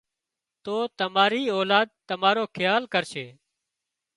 تو تماري اولاد تمارو کيال ڪرشي